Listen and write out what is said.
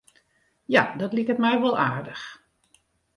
Ja, dat liket my wol aardich.